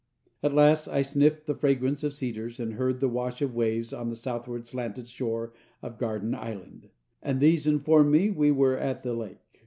At last I sniffed the fragrance of cedars and heard the wash of waves on the southward slanted shore of Garden Island, and these informed me we were at the lake.